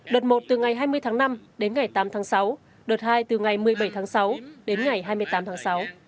đợt một từ ngày hai mươi tháng năm đến ngày tám tháng sáu đợt hai từ ngày một mươi bảy tháng sáu đến ngày hai mươi tám tháng sáu